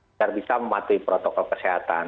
agar bisa mematuhi protokol kesehatan